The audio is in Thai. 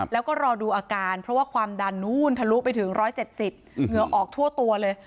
แล้วก็รอดูอาการเพราะว่าความดันนู้นทะลุไปถึง๑๗๐เหงื่อออกทั่วตัวเลย